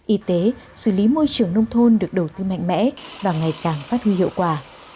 y tế xử lý môi trường nông thôn được đầu tư mạnh mẽ và ngày càng phát huy hiệu quả